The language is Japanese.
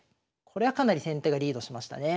これはかなり先手がリードしましたね。